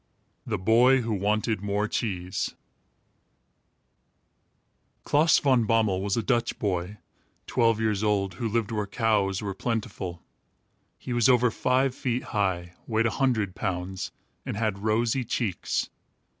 THE BOY WHO WANTED MORE CHEESE Klaas Van Bommel was a Dutch boy, twelve years old, who lived where cows were plentiful. He was over five feet high, weighed a hundred pounds, and had rosy cheeks.